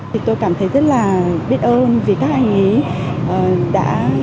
thì tôi cảm thấy rất là biết ơn vì các anh ấy đã